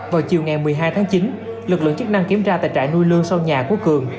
vào chiều ngày một mươi hai tháng chín lực lượng chức năng kiểm tra tại trại nuôi lương sau nhà của cường